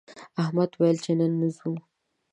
احمد ویل چې نن نه ځو